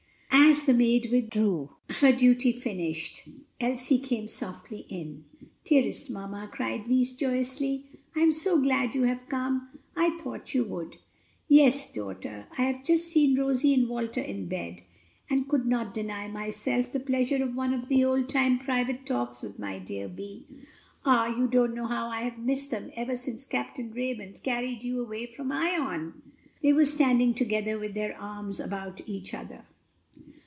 As the maid withdrew, her duty finished, Elsie came softly in. "Dearest mamma!" cried Vi joyously, "I am so glad you have come! I thought you would." "Yes, daughter, I have just seen Rosie and Walter in bed, and could not deny myself the pleasure of one of the old time private talks with my dear Vi. Ah, you don't know how I have missed them ever since Capt. Raymond carried you away from Ion!" They were standing together with their arms about each other.